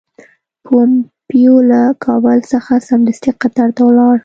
پومپیو له کابل څخه سمدستي قطر ته ولاړ.